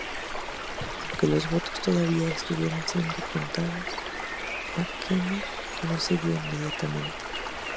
Aunque los votos todavía estuvieran siendo contados, McKenna no cedió inmediatamente.